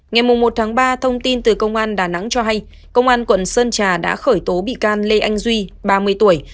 ngày một ba thông tin từ công an đà nẵng cho hay công an quận sơn trà đã khởi tố bị can lê anh duy ba mươi tuổi